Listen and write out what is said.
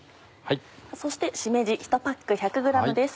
そしてしめじ１パック１００ｇです。